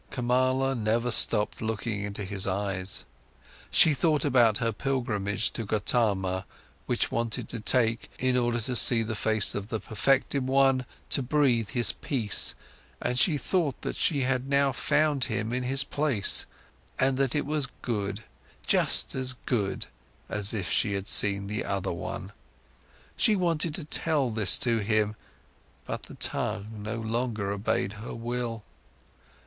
Kamala never stopped looking into his eyes. She thought about her pilgrimage to Gotama, which she wanted to take, in order to see the face of the perfected one, to breathe his peace, and she thought that she had now found him in his place, and that it was good, just as good, as if she had seen the other one. She wanted to tell this to him, but the tongue no longer obeyed her will.